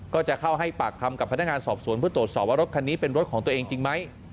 ก็จะเข้าให้ปากคำกับพนักงานสอบสวนเพื่อตรวจสอบว่ารถคันนี้เป็นรถของตัวเองจริงไหม